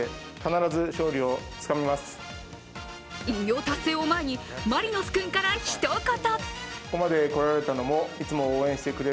偉業達成を前に、マリノス君から一言。